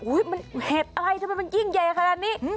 มันเห็ดอะไรทำไมมันยิ่งใหญ่ขนาดนี้